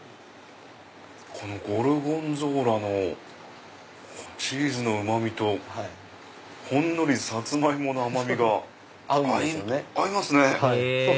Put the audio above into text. このゴルゴンゾーラチーズのうま味とほんのりサツマイモの甘みが合いますね。